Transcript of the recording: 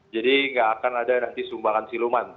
jadi gak akan ada nanti sumbangan siluman